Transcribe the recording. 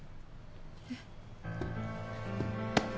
えっ。